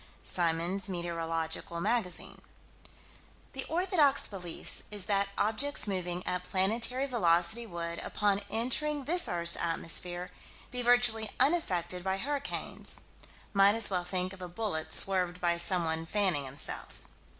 (Symons.) The orthodox belief is that objects moving at planetary velocity would, upon entering this earth's atmosphere, be virtually unaffected by hurricanes; might as well think of a bullet swerved by someone fanning himself.